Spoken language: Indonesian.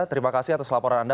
terima kasih atas laporan anda